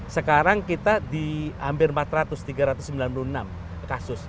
sekarang kita di hampir empat ratus tiga ratus sembilan puluh enam kasus